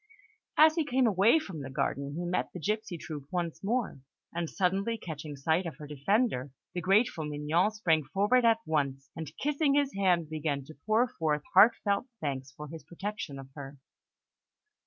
As he came away from the garden, he met the gipsy troupe once more; and suddenly catching sight of her defender, the grateful Mignon sprang forward at once, and kissing his hand, began to pour forth heart felt thanks for his protection of her.